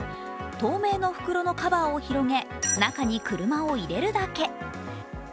透明の袋のカバーを広げ、中に車を入れるだけ。